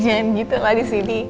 jangan gitu lah disini